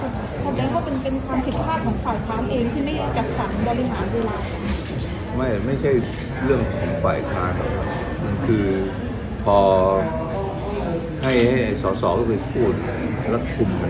ทำได้เขาเป็นความผิดพลาดของฝ่ายค้านเองที่ไม่จัดสรรบริหารเวลา